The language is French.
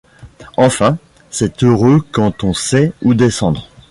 Enfin, c’est heureux quand on sait où descendre.